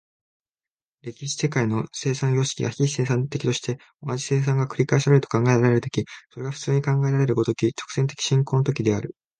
歴史的世界の生産様式が非生産的として、同じ生産が繰り返されると考えられる時、それが普通に考えられる如き直線的進行の時である。